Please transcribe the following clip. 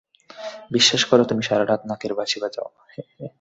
বিশ্বাস করো, তুমি সারা রাত নাকের বাঁশি বাজাও।